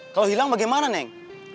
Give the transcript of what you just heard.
kalau hilang bagaimana neng